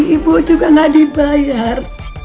gaji ibu juga gak dibayar